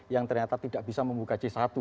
yang ternyata tidak bisa membuka c satu